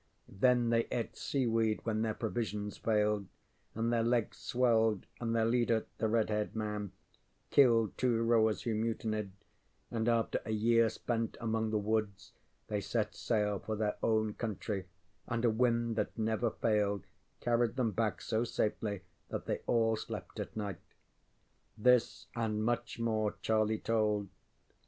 Then they ate sea weed when their provisions failed, and their legs swelled, and their leader, the red haired man, killed two rowers who mutinied, and after a year spent among the woods they set sail for their own country, and a wind that never failed carried them back so safely that they all slept at night. This and much more Charlie told.